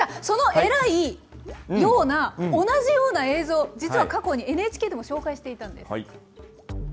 その偉い、ような同じような映像、実は過去にＮＨＫでも紹介していたんです。